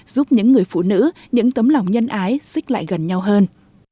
giúp những người phụ nữ những tấm lòng nhân ái xích lại gần nhau hơn